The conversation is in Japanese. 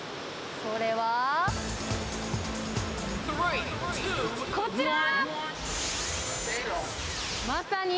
それは。こちら！